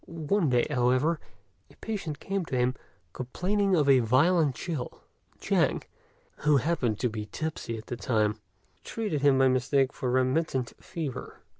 One day, however, a patient came to him, complaining of a violent chill; and Chang, who happened to be tipsy at the time, treated him by mistake for remittent fever.